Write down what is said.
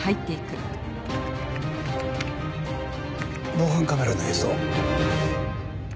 防犯カメラの映像を。